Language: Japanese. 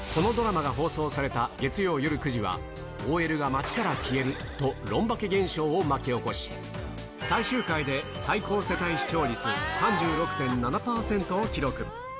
このドラマが放送された月曜夜９時はＯＬが街から消えると、ロンバケ現象を巻き起こし、最終回で最高世帯視聴率３６．７％を記録。